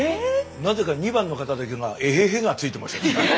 なぜか２番の方だけが「えへへ」がついてました。